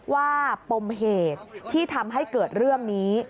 ปมเหตุที่ทำให้เกิดเรื่องนี้